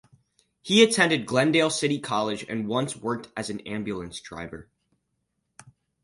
He attended Glendale City College and once worked as an ambulance driver.